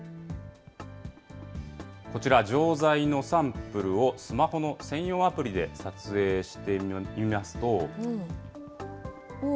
こちら、錠剤のサンプルをスマホの専用アプリで撮影してみますと。